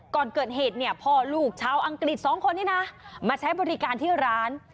ก่อนเกิดเหตุเนี่ยพ่อลูกชาวอังกฤษสองคนนี้นะมาใช้บริการที่ร้าน